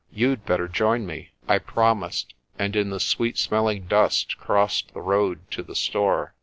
You'd better join me." I promised, and in the sweet smelling dust crossed the road to the store.